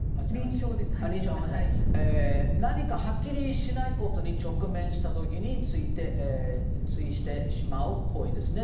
何かはっきりしないことに直面した時についしてしまう行為ですね。